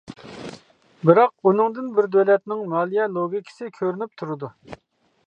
بىراق ئۇنىڭدىن بىر دۆلەتنىڭ مالىيە لوگىكىسى كۆرۈنۈپ تۇرىدۇ.